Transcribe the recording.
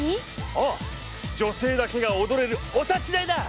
あ女性だけがおどれるお立ち台だ！